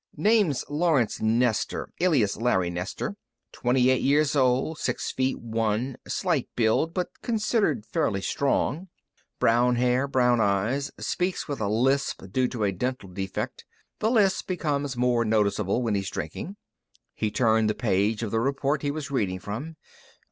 "Name's Lawrence Nestor, alias Larry Nestor. Twenty eight years old, six feet one inch, slight build, but considered fairly strong. Brown hair, brown eyes. Speaks with a lisp due to a dental defect; the lisp becomes more noticeable when he's drinking." He turned the page of the report he was reading from.